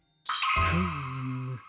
フーム。